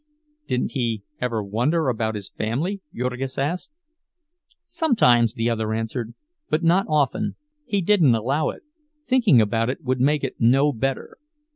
Didn't he ever wonder about his family, Jurgis asked. Sometimes, the other answered, but not often—he didn't allow it. Thinking about it would make it no better.